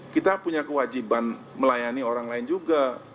kita punya kewajiban melayani orang lain juga